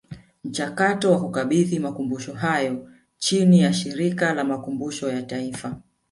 Mchakato wa kuyakabidhi Makumbusho hayo chini ya Shirika la Makumbusho ya Taifa